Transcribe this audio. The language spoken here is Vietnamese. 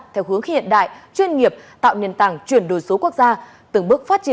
theo hướng hiện đại chuyên nghiệp tạo nền tảng chuyển đổi số quốc gia